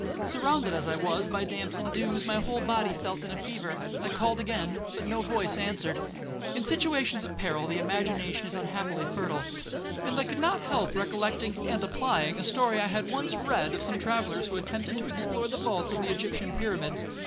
Surrounded as I was by damps and dews, my whole body felt in a fever. I called again, but no voice answered. In situations of peril, the imagination is unhappily fertile, and I could not help recollecting and applying a story I had once read of some travellers who attempted to explore the vaults of the Egyptian pyramids.